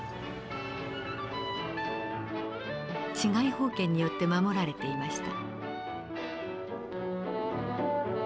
治外法権によって守られていました。